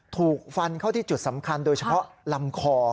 ถูกฟันเข้าที่จุดสำคัญโดยเฉพาะลำคอ